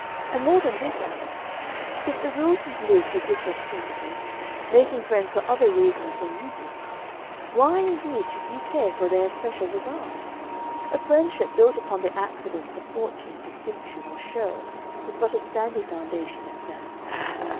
And more than this, Anna; if the Wilsons live for different principles, making friends for other reasons than you do, why, indeed, should you care for their especial regard? A friendship built upon the accidents of fortune, distinction, or show, has but a sandy foundation at best.